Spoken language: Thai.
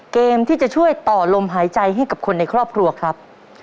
เกมที่จะช่วยต่อลมหายใจให้กับคนในครอบครัวครับ